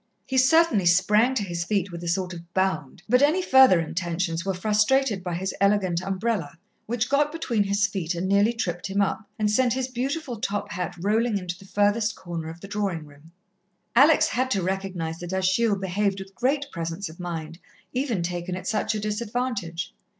He certainly sprang to his feet with a sort of bound, but any further intentions were frustrated by his elegant umbrella, which got between his feet and nearly tripped him up, and sent his beautiful top hat rolling into the furthest corner of the drawing room. Alex had to recognize that Achille behaved with great presence of mind, even taken at such a disadvantage.